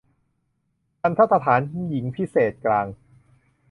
ทัณฑสถานหญิงพิเศษกลาง